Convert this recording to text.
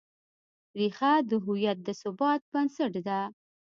ریښه د هویت د ثبات بنسټ ده.